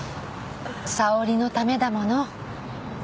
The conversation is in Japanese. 沙織のためだもの。